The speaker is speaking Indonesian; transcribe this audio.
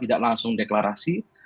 tidak langsung deklarasi